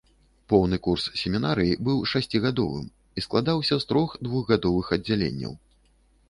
Поўны курс семінарыі быў шасцігадовым і складаўся з трох двухгадовых аддзяленняў.